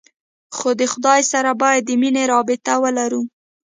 خو د خداى سره بايد د مينې رابطه ولرو.